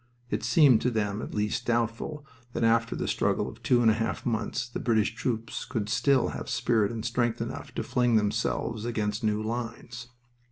It seemed to them at least doubtful that after the struggle of two and a half months the British troops could still have spirit and strength enough to fling themselves against new lines.